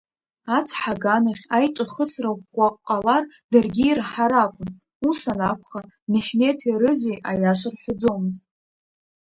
Ацҳа аганахь аиҿахысра ӷәӷәак ҟалар даргьы ираҳар акәын ус анакәха Меҳмеҭи Рызеи аиаша рҳәаӡомызт.